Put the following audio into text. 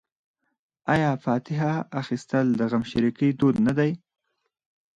آیا فاتحه اخیستل د غمشریکۍ دود نه دی؟